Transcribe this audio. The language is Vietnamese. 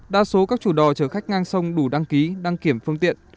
đa số các chủ đò chở khách ngang sông đủ đăng ký đăng kiểm phương tiện